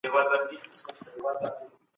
ولي ځيني هیوادونه ثبات نه مني؟